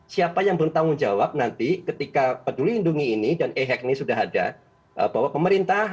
siapa yang bertanggung jawab nanti ketika peduli lindungi ini dan e hack ini sudah ada bahwa pemerintah